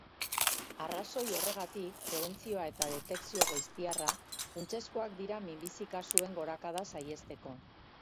Arrazoi horregatik, prebentzioa eta detekzio goiztiarra funtsezkoak dira minbizi-kasuen gorakada saihesteko.